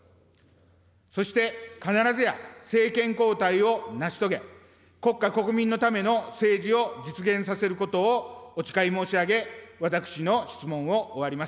そして必ずや、政権交代を成し遂げ、国家、国民のための政治を実現させることをお誓い申し上げ、私の質問を終わります。